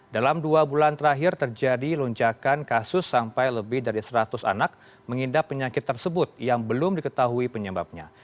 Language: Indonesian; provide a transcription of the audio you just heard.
dalam dua bulan terakhir terjadi lonjakan kasus sampai lebih dari seratus anak mengidap penyakit tersebut yang belum diketahui penyebabnya